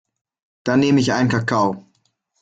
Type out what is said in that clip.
Dann nehm ich einen Kakao.